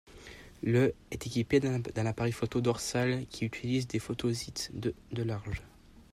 Le est équipé d'un appareil photo dorsal qui utilise des photosites de de large.